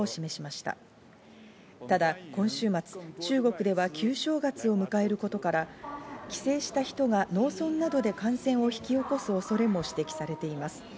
ただ今週末、中国では旧正月を迎えることから、帰省した人が農村などで感染を引き起こす恐れも指摘されています。